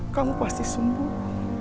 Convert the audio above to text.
kamu pasti sembuh